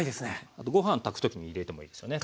あとご飯炊く時に入れてもいいですよね